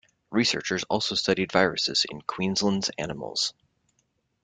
Researchers also studied viruses in Queensland's animals.